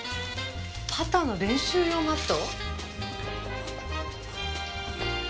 パターの練習用マット？